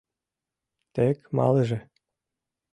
«Тек малыже».